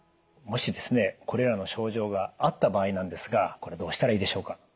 もしですねこれらの症状があった場合なんですがこれどうしたらいいでしょうか？